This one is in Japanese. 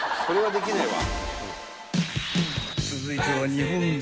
［続いては日本］